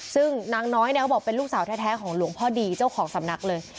ซึ่งนางน้อยเนี่ยเขาบอกเป็นลูกสาวแท้ของหลวงพ่อดีเจ้าของสำนักเลย